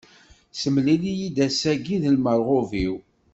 Ssemlil-iyi-d ass-agi d lmerɣub-iw.